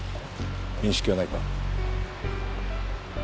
面識はないか？